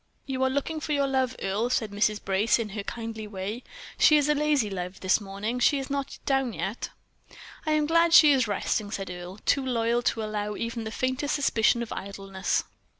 "You are looking for your love, Earle," said Mrs. Brace, in her kindly way. "She is a lazy love this morning. She is not down yet." "I am glad she is resting," said Earle, too loyal to allow even the faintest suspicion of idleness.